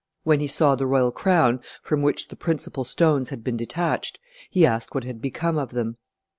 When he saw the royal crown, from which the principal stones had been detached, he asked what had become of them.